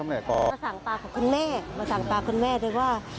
มาสั่งตาของคุณแม่มาสั่งตาคุณแม่ด้วยว่า